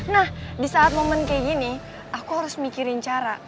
nah di saat momen kayak gini aku harus mikirin cara